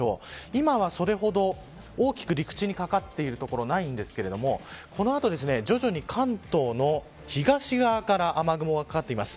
今は、それほど大きく陸地にかかっている所はないんですがこのあと徐々に関東の東側から雨雲がかかっています。